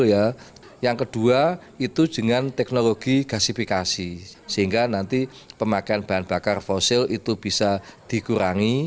yang kedua itu dengan teknologi gasifikasi sehingga nanti pemakaian bahan bakar fosil itu bisa dikurangi